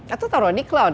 atau taruh di cloud